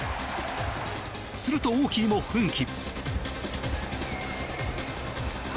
すると、オーキーも奮起。